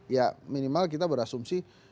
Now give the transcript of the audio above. ya minimal kita berasumsi